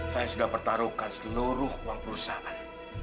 saya sudah pertaruhkan seluruh uang perusahaan